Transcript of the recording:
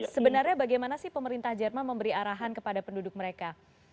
sebenarnya bagaimana sih pemerintah jerman memberi arahan kepada penduduk mereka